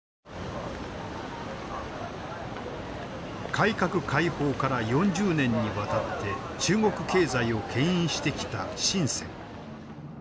改革開放から４０年にわたって中国経済をけん引してきた深。